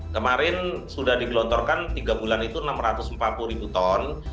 kemarin sudah digelontorkan tiga bulan itu enam ratus empat puluh ribu ton